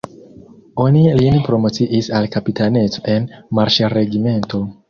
Oni lin promociis al kapitaneco en marŝregimento!